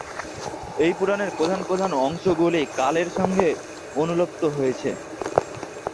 এই পুরাণের প্রধান প্রধান অংশগুলি কালের সঙ্গে অবলুপ্ত হয়েছে।